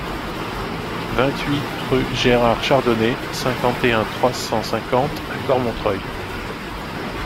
vingt-huit rue Gérard Chardonnet, cinquante et un, trois cent cinquante à Cormontreuil